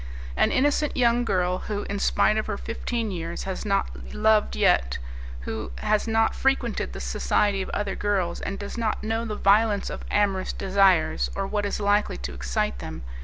An innocent young girl, who, in spite of her fifteen years, has not loved yet, who has not frequented the society of other girls, does not know the violence of amorous desires or what is likely to excite them.